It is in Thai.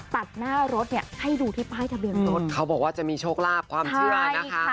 ตัดหน้ารถเนี่ยให้ดูที่ป้ายทะเบียนรถเขาบอกว่าจะมีโชคลาภความเชื่อนะคะ